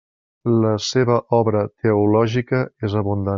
La seva obra teològica és abundant.